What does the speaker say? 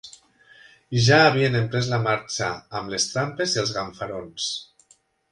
Ja havien emprès la marxa, am les trampes i els ganfarons